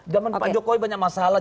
zaman pak jokowi banyak masalah